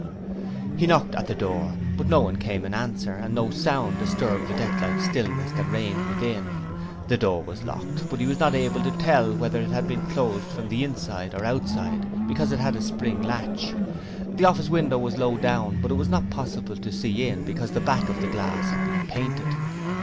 He knocked at the door, but no one came in answer, and no sound disturbed the deathlike stillness that reigned within. The door was locked, but he was not able to tell whether it had been closed from the inside or outside, because it had a spring latch. The office window was low down, but it was not possible to see in because the back of the glass had been painted.